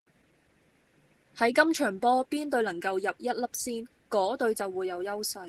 喺今場波邊隊能夠入一粒先，果隊就會有優勢